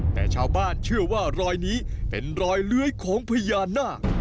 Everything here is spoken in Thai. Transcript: แต่ชาวบ้านเชื่อว่ารอยนี้เป็นรอยเลื้อยของพญานาค